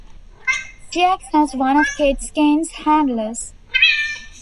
She acts as one of Kate Kane's handlers.